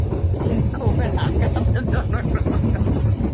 তিনি কোপেনহেগেনে জন্মগ্রহণ করেছিলেন।